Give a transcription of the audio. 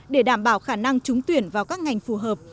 để đảm bảo khả năng trúng tuyển vào các ngành phù hợp